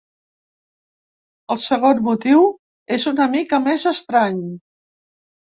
El segon motiu és una mica més estrany.